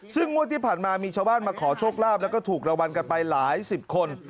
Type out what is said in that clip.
ซึ่งงวดที่ผ่านมามีชาวบ้านมาขอโชคลาภแล้วก็ถูกรางวัลกันไปหลายสิบคน